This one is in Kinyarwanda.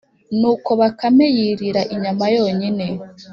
nuko bakame yirira inyama yonyine.